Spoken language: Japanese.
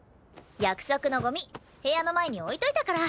約束のゴミ部屋の前に置いといたから。